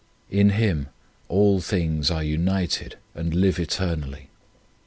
1 In Him all things are united and live eternally.